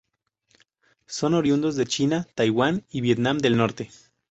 Son oriundos de China, Taiwan y Vietnam del Norte.